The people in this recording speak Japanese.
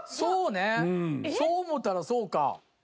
そう思たらそうか。